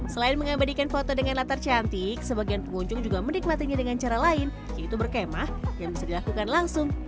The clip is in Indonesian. selain mengabadikan foto dengan latar cantik sebagian pengunjung juga menikmatinya dengan cara lain yaitu berkemah yang bisa dilakukan langsung